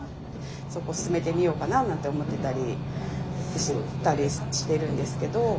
そこ勧めてみようかななんて思ってたりしたりしてるんですけど。